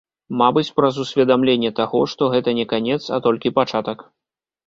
Мабыць, праз усведамленне таго, што гэта не канец, а толькі пачатак.